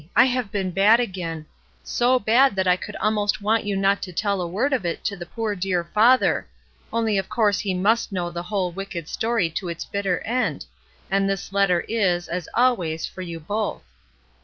I have been bad again; so bad that I could almost want you not to tell a word of it to the poor dear father; only of course he must know the whole wicked story to its bitter end, and this letter is, as always, for you both.